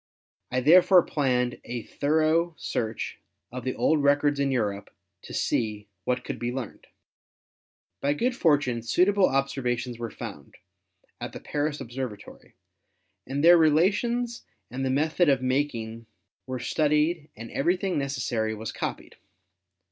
I therefore planned a thoro search of the old rec ords in Europe to see what could be learned." By good fortune suitable observations were found at the Paris Observatory and their relations and the method of making were studied and everything necessary was copied.